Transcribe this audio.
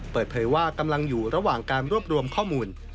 เปิดเผยว่ากำลังอยู่ระหว่างการรวบรวมข้อมูล